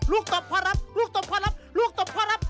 ตบพ่อรับลูกตบพ่อรับลูกตบพ่อรับ